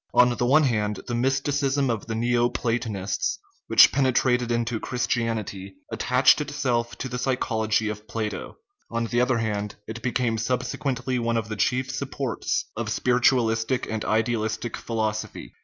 On the one hand, the mysticism of the Neo Platonists, which penetrated into Christianity, attaches itself to the psychology of Plato ; on the other hand, it became subsequently one of the chief supports of spiritualistic and idealistic philosophy.